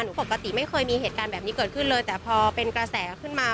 ปกติไม่เคยมีเหตุการณ์แบบนี้เกิดขึ้นเลยแต่พอเป็นกระแสขึ้นมา